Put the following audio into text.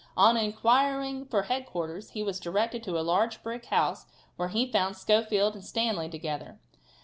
On inquiring for headquarters he was directed to a large brick house where he found Schofield and Stanley together.